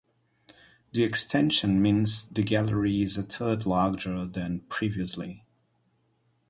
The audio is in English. The extension means the gallery is a third larger than previously.